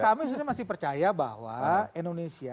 kalau kami masih percaya bahwa indonesia